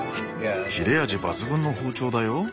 切れ味抜群の包丁だよ。